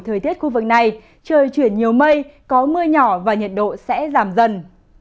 thời tiết khu vực này trời chuyển nhiều mây có mưa nhỏ và nhiệt độ sẽ giảm dần